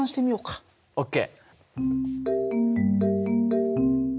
ＯＫ。